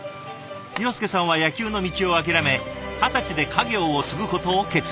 庸介さんは野球の道を諦め二十歳で家業を継ぐことを決意。